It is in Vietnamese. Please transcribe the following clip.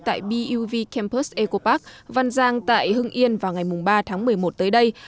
tại buv campus ecopark văn giang tại hưng yên vào ngày ba tháng một mươi một tới đây